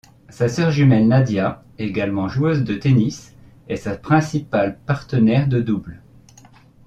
Sa sœur jumelle Nadiia, également joueuse de tennis, est sa principale partenaire de double.